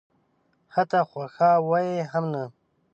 حتی خواښاوه یې هم نه.